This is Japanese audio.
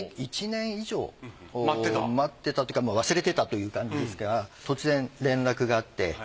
１年以上待ってたというか忘れてたという感じですが突然連絡があって。